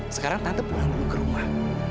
sekarang tante pulang dulu ke rumah